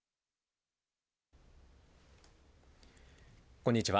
こんにちは。